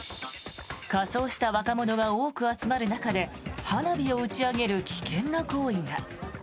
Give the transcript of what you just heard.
仮装した若者が多く集まる中で花火を打ち上げる危険な行為が。